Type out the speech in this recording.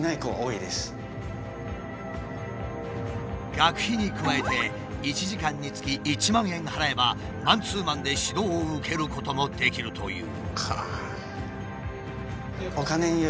学費に加えて１時間につき１万円払えばマンツーマンで指導を受けることもできるという。